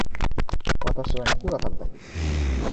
私は肉が食べたいです。